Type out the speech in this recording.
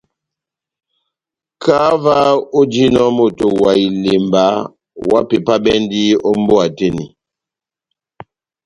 Kahá ová ojinɔ moto wa ilemba, ohápepabɛndi ó mbówa tɛ́h eni.